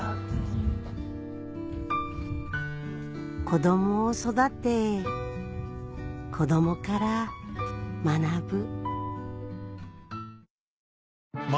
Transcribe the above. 子どもを育て子どもから学ぶ